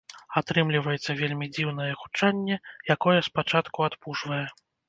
Атрымліваецца вельмі дзіўнае гучанне, якое спачатку адпужвае.